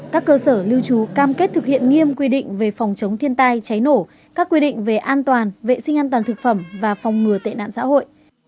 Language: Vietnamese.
các cơ sở lưu trú cam kết thực hiện nghiêm quy định về phòng chống thiên tai cháy nổ các quy định về an toàn vệ sinh an toàn thực phẩm và phòng ngừa tệ nạn xã hội